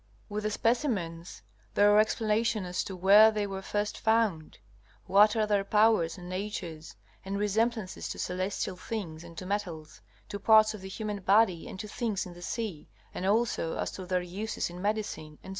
With the specimens there are explanations as to where they were first found, what are their powers and natures, and resemblances to celestial things and to metals, to parts of the human body and to things in the sea, and also as to their uses in medicine, etc.